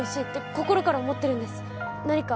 心から思ってるんです何か